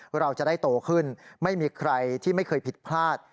เราจะได้โตขึ้นไม่มีใครที่ไม่เคยผิดพลาด